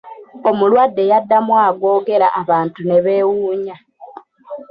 Omulwadde yaddamu agoogera abantu ne beewunya.